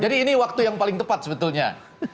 jadi ini waktu yang paling tepat sebetulnya